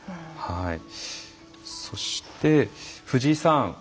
そして、藤井さん